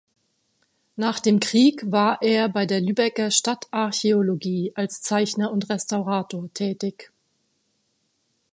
Nach dem Krieg war er bei der Lübecker Stadtarchäologie als Zeichner und Restaurator tätig.